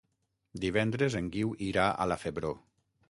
Divendres en Guiu irà a la Febró.